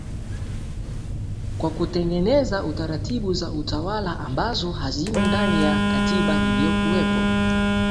kwa kutengeneza taratibu za utawala ambazo hazimo ndani ya katiba iliyokuwepo